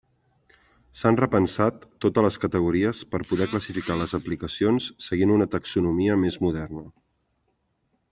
S'han repensat totes les categories per poder classificar les aplicacions seguint una taxonomia més moderna.